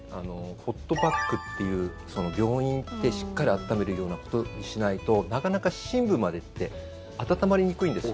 ホットパックっていう病院に行って、しっかり温めるようなことをしないとなかなか深部までって温まりにくいんですよ。